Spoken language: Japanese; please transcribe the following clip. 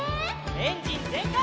エンジンぜんかい！